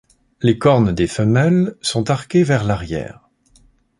Les cornes des femelles sont arquées vers l'arrière.